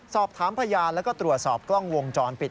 สอบถามพยานแล้วก็ตรวจสอบกล้องวงจรปิด